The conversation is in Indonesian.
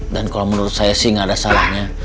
dan kalau menurut saya sih gak ada salahnya